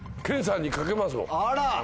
あら！